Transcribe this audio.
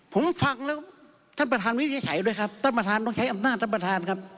ผมฟังแล้วท่านประธานวินิจฉัยด้วยครับท่านประธานต้องใช้อำนาจท่านประธานครับ